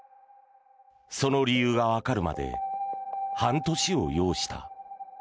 その理由がわかるまで半年を要した。